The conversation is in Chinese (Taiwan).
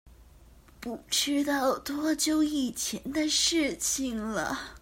不知道多久以前的事情了